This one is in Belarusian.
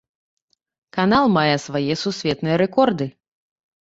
Канал мае свае сусветныя рэкорды.